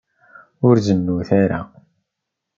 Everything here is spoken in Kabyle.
Ur zennut ara.